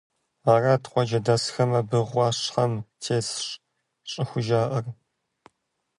Арат къуажэдэсхэм абы гъуащхьэм тесщ щӀыхужаӀэр.